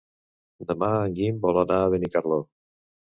Demà en Guim vol anar a Benicarló.